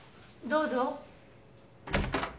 どうぞ。